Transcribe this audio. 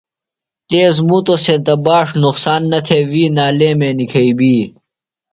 تیز مُتوۡ سینتہ باݜ نقصان نہ تھےۡ وی نالیمے نِکھئی بی۔